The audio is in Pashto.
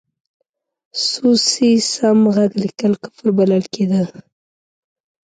سو، سي، سم، ږغ لیکل کفر بلل کېده.